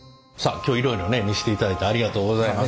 今日いろいろね見していただいてありがとうございます。